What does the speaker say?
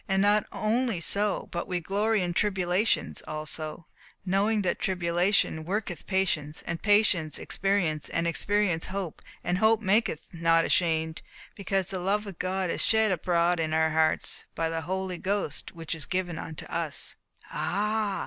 And not only so, but we glory in tribulations also; knowing that tribulation worketh patience, and patience experience, and experience hope, and hope maketh not ashamed, because the love of God is shed abroad in our hearts, by the Holy Ghost which is given unto us." "Ah!